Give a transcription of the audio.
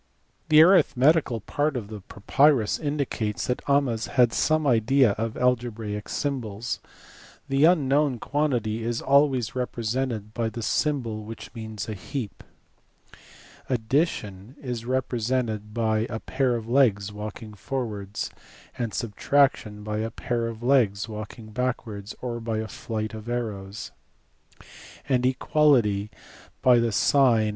The arithmetical part of the papyrus indicates that Ahmes had some idea of algebraic symbols. The unknown quantity is always represented by the symbol which means a heap ; addition is represented by a pair of legs walking forwards, subtraction by a pair of legs walking backwards or by a flight of arrows ; and equality by the sign /_.